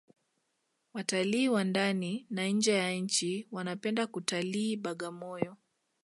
watalii wa ndani na nje ya nchi wanapenda kutalii bagamoyo